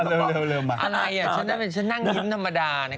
เริ่มมาอะไรอ่ะฉันนั่งยิ้มธรรมดา